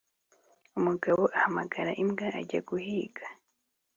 umugabo ahamagara imbwa ajya guhiga.